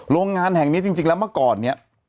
โรงงานแห่งนี้จริงแล้วเมื่อก่อนเนี่ย